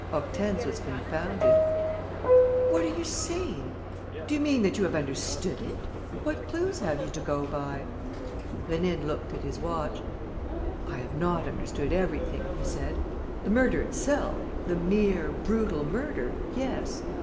Hortense was confounded: "What are you saying? Do you mean that you have understood it? What clues have you to go by?" Rénine looked at his watch: "I have not understood everything," he said. "The murder itself, the mere brutal murder, yes.